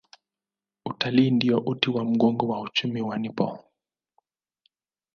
Utalii ndio uti wa mgongo wa uchumi wa Nepal.